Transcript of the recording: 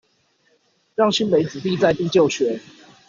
讓新北子弟在地就學